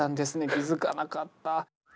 気付かなかった。